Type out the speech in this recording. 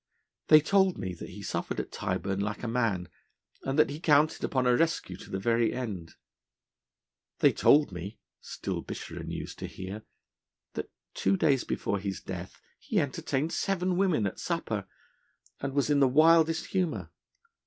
They told me that he suffered at Tyburn like a man, and that he counted upon a rescue to the very end. They told me (still bitterer news to hear) that two days before his death he entertained seven women at supper, and was in the wildest humour.